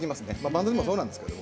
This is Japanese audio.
バンドでもそうなんですけど。